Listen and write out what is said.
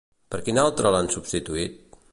Per quin altre l'han substituït?